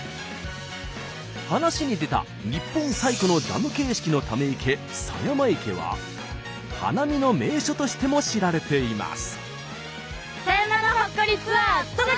話に出た日本最古のダム形式のため池狭山池は花見の名所としても知られています。